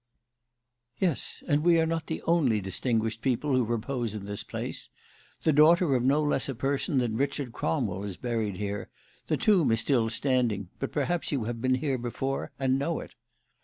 "Yes; and we are not the only distinguished people who repose in this place. The daughter of no less a person than Richard Cromwell is buried here; the tomb is still standing but perhaps you have been here before, and know it."